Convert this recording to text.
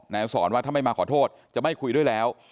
สอนว่าถ้าไม่มาขอโทษจะไม่คุยด้วยแล้ว